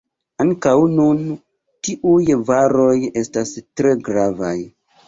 Ankaŭ nun tiuj varoj estas tre gravaj.